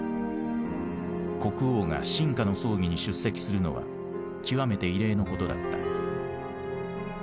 国王が臣下の葬儀に出席するのは極めて異例のことだった。